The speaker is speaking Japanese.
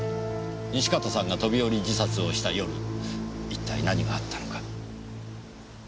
西片さんが飛び降り自殺をした夜一体何があったのか。